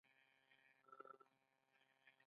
چینې تور رنګه، اوبه بې رنګه